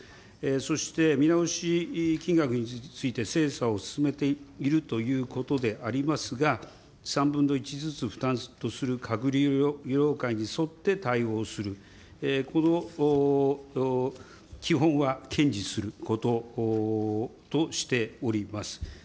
そして、見直し金額について、精査を進めているということでありますが、３分の１ずつ負担とする業界に沿って対応する、この基本は堅持することとしております。